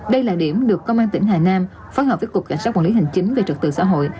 đây là điểm được công an tỉnh hà nam phối hợp với cục cảnh sát quản lý hành chính về trật tự xã hội